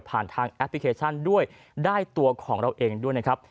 ทางแอปพลิเคชันด้วยได้ตัวของเราเองด้วยนะครับ